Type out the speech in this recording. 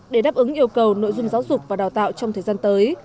để đáp ứng yêu cầu nội dung giáo dục và đào tạo trong thời gian tới